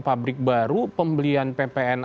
pabrik baru pembelian ppn